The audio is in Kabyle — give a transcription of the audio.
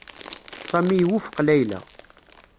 Sami iwufeq Layla.